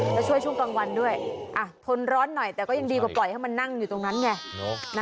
แล้วช่วยช่วงกลางวันด้วยทนร้อนหน่อยแต่ก็ยังดีกว่าปล่อยให้มันนั่งอยู่ตรงนั้นไง